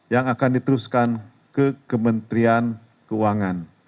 yang akan diteruskan ke kementerian keuangan